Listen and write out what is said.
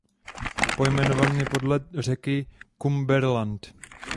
Pojmenovaný je podle řeky Cumberland.